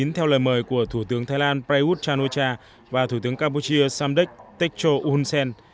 theo lời mời của thủ tướng thái lan prayuth chan o cha và thủ tướng campuchia samdek tekcho uhunsen